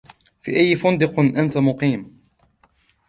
في أي فندق أنت مقيم؟